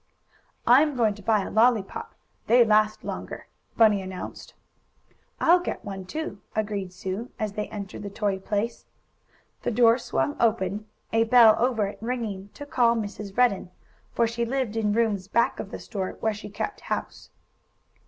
"I'm going to buy a lollypop they last longer," Bunny announced. "I'll get one, too," agreed Sue, as they entered the toy place. The door swung open, a bell over it ringing to call Mrs. Redden, for she lived in rooms back of the store, where she kept house.